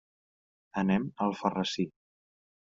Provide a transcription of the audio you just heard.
Anem a Alfarrasí.